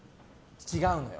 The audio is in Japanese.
違うのよ。